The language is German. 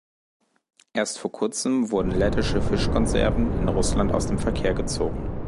Erst vor Kurzem wurden lettische Fischkonserven in Russland aus dem Verkehr gezogen.